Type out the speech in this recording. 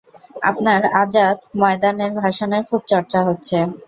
আপনার আজাদ ময়দানের ভাষণের খুব চর্চা হচ্ছে।